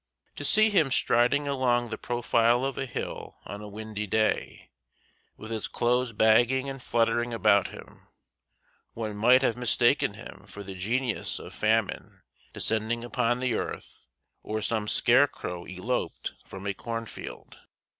To see him striding along the profile of a hill on a windy day, with his clothes bagging and fluttering about him, one might have mistaken him for the genius of Famine descending upon the earth or some scarecrow eloped from a cornfield.